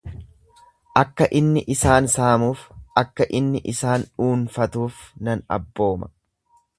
Akka inni isaan saamuuf, akka inni isaan dhuunfatuuf nan abbooma.